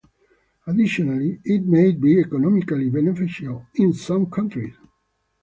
Additionally, it may be economically beneficial in some countries.